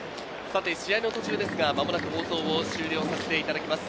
試合の途中ですが間もなく放送を終了させていただきます。